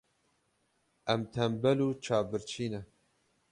Em tembel û çavbirçî ne.